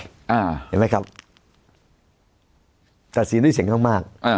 เห็นไหมครับตัดสินด้วยเสียงข้างมากอ่า